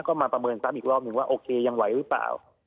ก็มาประเมินซ้ำอีกรอบหนึ่งว่าโอเคยังไหวหรือเปล่า